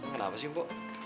kenapa sih mak